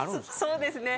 そうですね。